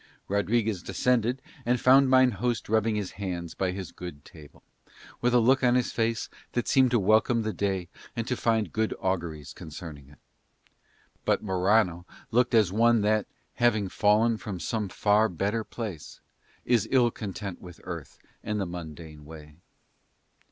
Rodriguez descended and found mine host rubbing his hands by his good table, with a look on his face that seemed to welcome the day and to find good auguries concerning it. But Morano looked as one that, having fallen from some far better place, is ill content with earth and the mundane way.